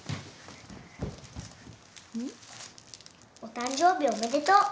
お誕生日おめでとう。